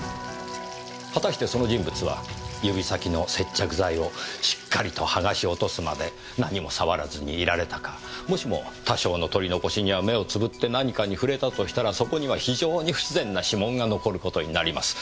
果たしてその人物は指先の接着剤をしっかりと剥がし落とすまで何も触らずにいられたかもしも多少の取り残しには目を瞑って何かに触れたとしたらそこには非常に不自然な指紋が残る事になります。